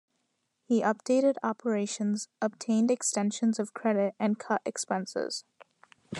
He updated operations, obtained extensions of credit, and cut expenses.